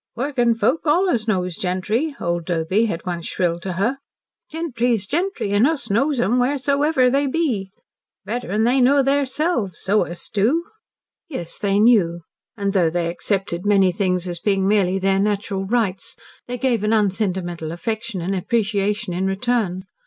"Workin' folk allus knows gentry," old Doby had once shrilled to her. "Gentry's gentry, an' us knows 'em wheresoever they be. Better'n they know theirselves. So us do!" Yes, they knew. And though they accepted many things as being merely their natural rights, they gave an unsentimental affection and appreciation in return.